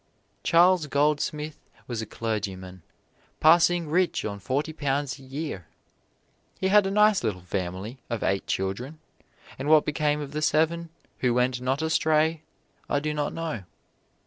Charles Goldsmith was a clergyman, passing rich on forty pounds a year. He had a nice little family of eight children, and what became of the seven who went not astray I do not know.